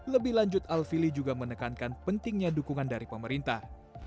lebih lanjut alfili juga menekankan pentingnya dukungan dari pemerintah